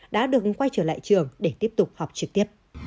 đã được quay trở lại trường để tiếp tục học trực tiếp